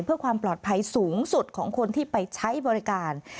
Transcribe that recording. เพื่อความปลอดภัยสูงสุดของคนที่ไปใช้บริการ